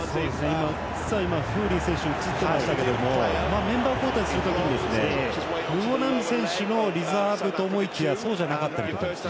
実はフーリー選手映ってましたがメンバー交代するときにムボナンビ選手のリザーブと思いきやそうじゃなかったり。